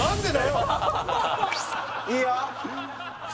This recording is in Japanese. ・いいよ！